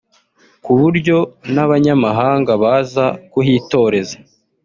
ku buryo n’abanyamahanga baza kuhitoreza